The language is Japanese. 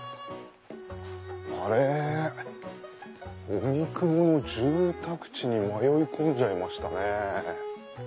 荻窪の住宅地に迷い込んじゃいましたね。